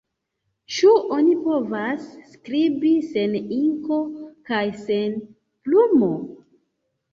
Ĉu oni povas skribi sen inko kaj sen plumo?